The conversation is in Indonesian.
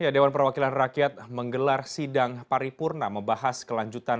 dewan perwakilan rakyat menggelar sidang paripurna membahas kelanjutan